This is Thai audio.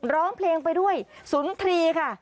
ร้องเพลงไปด้วยศุลธรีค่ะ